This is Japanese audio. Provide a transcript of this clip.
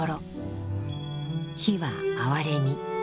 「悲」は哀れみ。